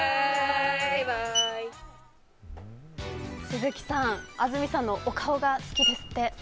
鈴木さん、安住さんのお顔が好きですって。